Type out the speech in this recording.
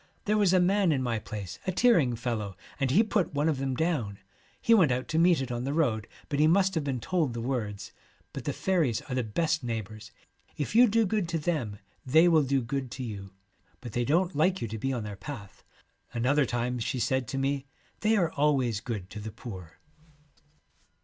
There was a man in my place, a tearing fellow, and he put one of them down. He went out to meet it on the road, but he must have been told the words. But the faeries are the best neighbours. If you do good to them they will do good to you, but they don't like you to be on their path.' Another time she said to me, ' They are always good to the poor.'